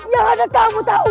yang ada kamu tau